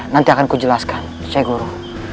nanti akan kujelaskan syekh guru